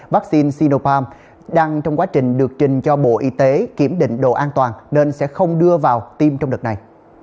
vaccine sidopam đang trong quá trình được trình cho bộ y tế kiểm định độ an toàn nên sẽ không đưa vào tiêm trong đợt này